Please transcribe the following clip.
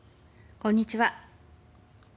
こんにちは。